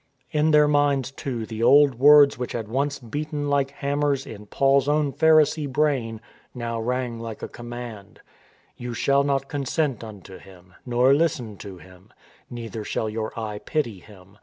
In their minds too the old words which had once beaten like hammers in Paul's own Pharisee brain now rang like a command : "You shall not consent unto him, Nor listen to him ; Neither shall your eye pity him.